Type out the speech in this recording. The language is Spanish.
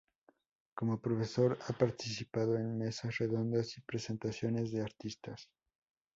Como profesor, ha participado en mesas redondas y presentaciones de artistas.